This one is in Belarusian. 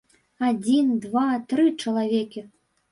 Адзін, два, тры чалавекі.